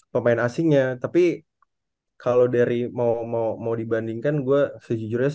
peringkat satu dan dua ya bu ya